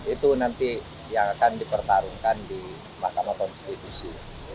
itu nanti yang akan dipertarungkan di mahkamah konstitusi